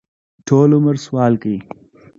ټول عمر سوال کوي.